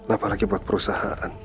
apalagi buat perusahaan